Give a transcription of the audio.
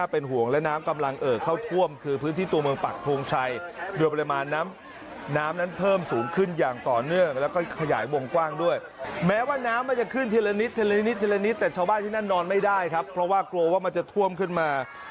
เพราะว่ารัชกาลจังหวัด